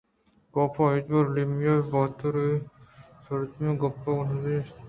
کاف ءَ ہچبر ایمیلیا اے وڑا ترٛندی ءُسرجمیں وڑے گپ ءَ نہ دیستگ اَت